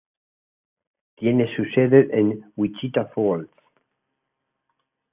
Tiene su sede en Wichita Falls.